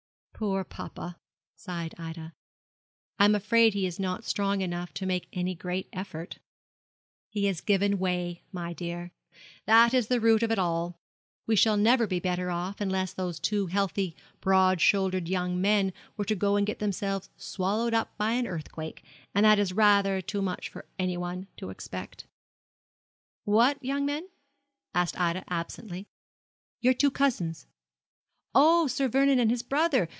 'Poor papa!' sighed Ida; 'I am afraid he is not strong enough to make any great effort.' 'He has given way, my dear; that is the root of it all. We shall never be better off, unless those two healthy, broad shouldered young men were to go and get themselves swallowed up by an earthquake; and that is rather too much for anyone to expect.' 'What young men?' asked Ida, absently. 'Your two cousins.' 'Oh, Sir Vernon and his brother.